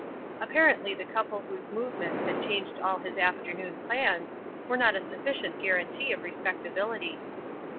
Apparently the couple whose movements had changed all his afternoon plans were not a sufficient guarantee of respectability.